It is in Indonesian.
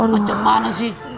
macam mana sih